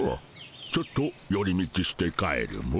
ちょっとより道して帰るモ。